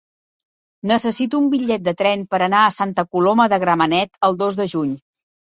Necessito un bitllet de tren per anar a Santa Coloma de Gramenet el dos de juny.